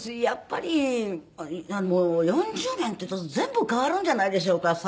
やっぱり４０年って全部変わるんじゃないでしょうか